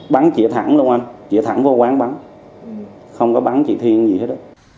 bắn chỉa thẳng luôn anh chỉa thẳng vô quán bắn không có bắn chỉ thiên gì hết